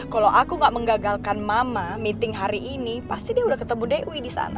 kalau aku gak menggagalkan mama meeting hari ini pasti dia udah ketemu dewi di sana